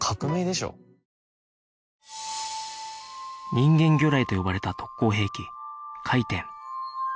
人間魚雷と呼ばれた特攻兵器回天